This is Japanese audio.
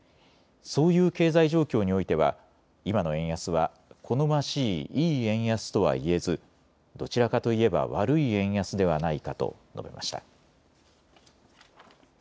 そういう経済状況においては今の円安は、好ましいいい円安とは言えずどちらかといえば悪い円安ではないかと述べました。